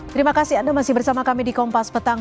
terima kasih anda masih bersama kami di kompas petang